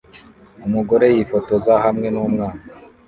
Umugore yifotoza hamwe numwana